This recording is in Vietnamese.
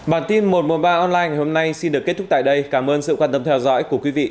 bản tin một trăm một mươi ba online ngày hôm nay xin được kết thúc tại đây cảm ơn sự quan tâm theo dõi của quý vị